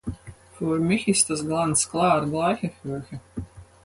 Für mich ist das ganz klar gleiche Höhe.